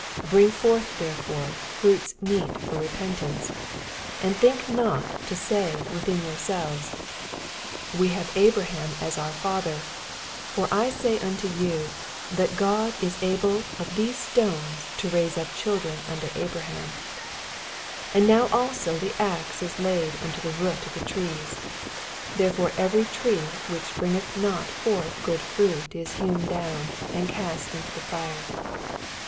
8 Bring forth therefore fruits meet for repentance : 9 And think not to say within yoor* selves, We have Abraham to ouf O 18 EZPOSITORT THOUaHTS. flither: for I uy unto yon, ttuX Qod ,to able of these stones to raise np 'children nnto Abrahiun. 10 And now also the ax is laid nnto the root of the trees : therefore every tree which bringeth not forth good frnit is hewn down, and cast into the fire.